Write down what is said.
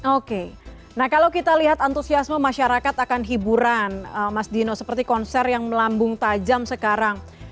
oke nah kalau kita lihat antusiasme masyarakat akan hiburan mas dino seperti konser yang melambung tajam sekarang